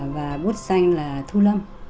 và bút danh là thu lâm